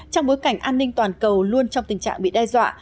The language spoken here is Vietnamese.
trong bối cảnh an ninh toàn cầu luôn trong tình trạng bị đe dọa